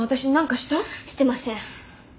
してません。